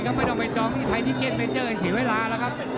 ก็ไม่ต้องไปจองที่ไทยที่เกษเมนเจอร์ไอ้สีเวลาละครับ